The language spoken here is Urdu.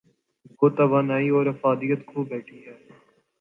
وہ توانائی اورافادیت کھو بیٹھی ہے۔